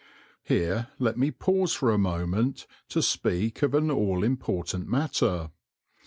Here let me pause for a moment to speak of an all important matter.